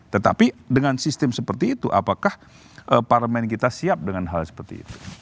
tetapi dengan sistem seperti itu apakah parlemen kita siap dengan hal seperti itu